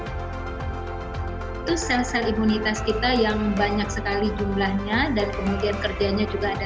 itu sel sel imunitas kita yang banyak sekali jumlahnya dan kemudian kerjanya juga ada